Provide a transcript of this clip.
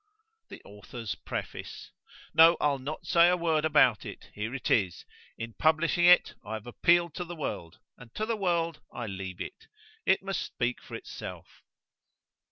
The A U T H O R 's P R E F A C E NO, I'll not say a word about it——here it is;—in publishing it—I have appealed to the world——and to the world I leave it;—it must speak for itself.